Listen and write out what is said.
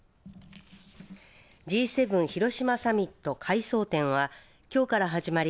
Ｇ７広島サミット回想展はきょうから始まり